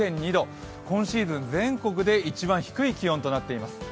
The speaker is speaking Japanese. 今シーズン全国で一番低い気温となっています。